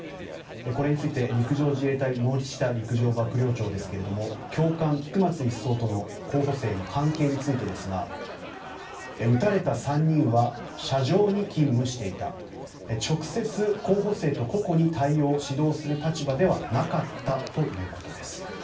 これについて、陸上自衛隊森下陸上幕僚長ですが教官、菊松１曹の候補生との関係についてですが撃たれた３人は射場に勤務していた直接、候補生と個々に対応・指導する立場ではなかったということです。